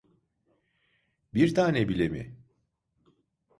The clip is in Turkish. Bir tane bile mi?